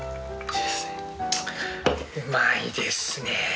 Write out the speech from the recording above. うまいですね。